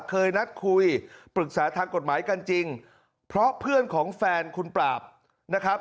เคยนัดคุยปรึกษาทางกฎหมายกันจริงเพราะเพื่อนของแฟนคุณปราบนะครับ